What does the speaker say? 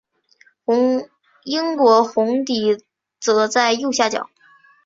英国红底则在右下角。